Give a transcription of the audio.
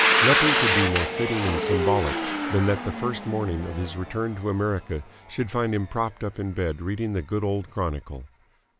Nothing could be more fitting and symbolic than that the first morning of his return to America should find him propped up in bed reading the good old Chronicle.